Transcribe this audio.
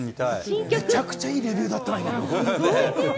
めちゃくちゃいいレビューだったな。